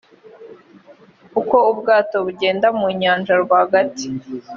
uko ubwato bugenda mu nyanja rwagati